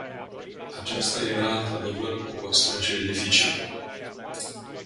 Aceasta era într-adevăr o constrângere dificilă.